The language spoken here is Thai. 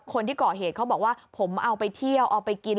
คนที่ก่อเหตุเขาบอกว่าผมเอาไปเที่ยวเอาไปกิน